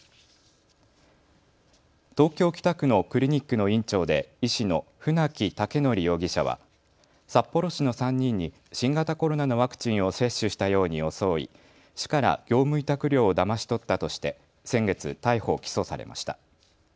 東京北区のクリニックの院長で医師の船木威徳容疑者は札幌市の３人に新型コロナのワクチンを接種したように装い市から業務委託料をだまし取ったとして先月、逮捕、起訴されました。